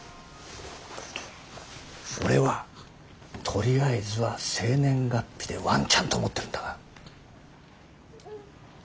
俺はとりあえずは生年月日でワンチャンと思ってるんだが。